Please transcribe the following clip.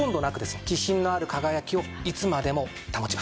気品のある輝きをいつまでも保ちます。